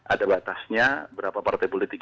ada batasnya berapa partai politik